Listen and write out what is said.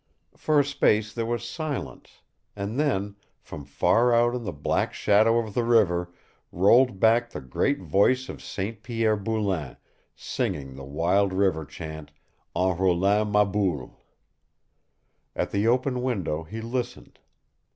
For a space there was silence, and then, from far out in the black shadow of the river, rolled back the great voice of St. Pierre Boulain singing the wild river chant, "En Roulant ma Boule." At the open window he listened.